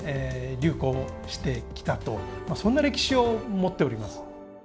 流行してきたとそんな歴史を持っております。